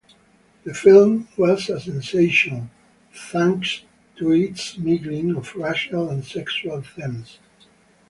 The film was a sensation, thanks to its mingling of racial and sexual themes.